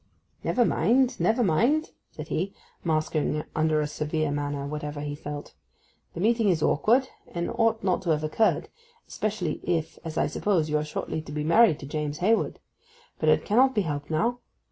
'Never mind, never mind,' said he, masking under a severe manner whatever he felt. 'The meeting is awkward, and ought not to have occurred, especially if as I suppose, you are shortly to be married to James Hayward. But it cannot be helped now.